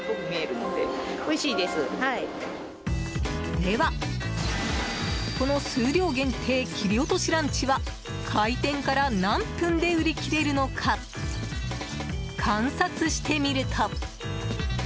では、この数量限定切り落としランチは開店から何分で売り切れるのか観察してみると。